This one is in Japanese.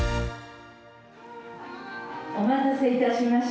お待たせいたしました。